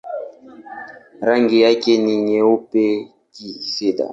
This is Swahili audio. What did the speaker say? Rangi yake ni nyeupe-kifedha.